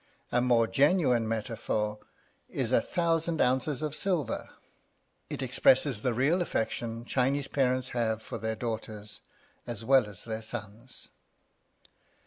A more genuine metaphor is a thousand ounces of silver; it expresses the real affection Chinese parents have for their daughters as well as their sons.